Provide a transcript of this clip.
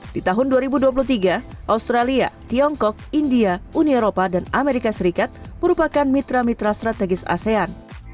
di tahun dua ribu dua puluh tiga australia tiongkok india uni eropa dan amerika serikat merupakan mitra mitra strategis asean